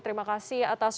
terima kasih atas wawancara